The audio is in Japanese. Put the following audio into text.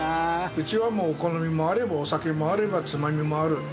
うちはもうお好みもあればお酒もあればつまみもある。